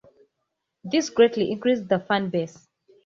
This greatly increased the fan base.